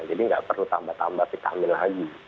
jadi gak perlu tambah tambah vitamin lagi